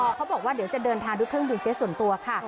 เขาบอกว่าเดี๋ยวจะเดินทางด้วยเครื่องบินเจสส่วนตัวค่ะ